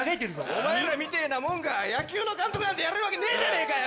お前らみてぇなもんが野球の監督なんてやれるわけねえじゃねぇかよ！